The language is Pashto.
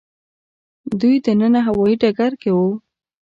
دوی دننه هوايي ډګر کې وو.